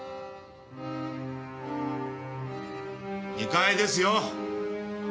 ２階ですよ！